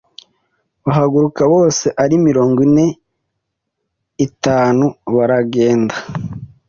Bahaguruka bose; ari mirongo itanu. Baragenda